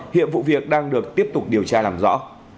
hiện vụ việc đang được tiếp tục điều tra làm rõ